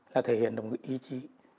là thể hiện một cái ý chí